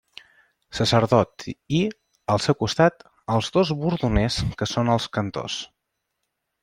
Sacerdot i, al seu costat, els dos bordoners, que són els cantors.